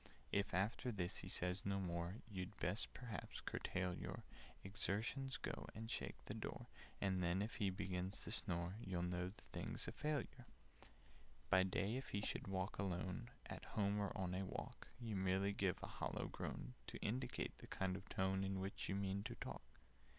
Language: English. "If after this he says no more, You'd best perhaps curtail your Exertions—go and shake the door, And then, if he begins to snore, You'll know the thing's a failure. "By day, if he should be alone— At home or on a walk— You merely give a hollow groan, To indicate the kind of tone In which you mean to talk.